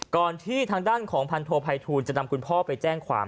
ที่ทางด้านของพันโทภัยทูลจะนำคุณพ่อไปแจ้งความ